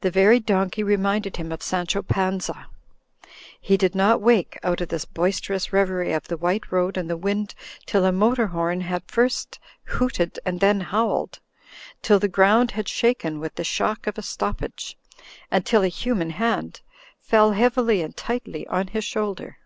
The very donkey reminded him of Sancho Panza. He did not wake out of this boisterous reverie of the white road and the wind till a motor horn had first hooted and then howled, till the ground had shaken with the shock of a stoppage, and till a human hand fell heavily and tightly on his shoulder.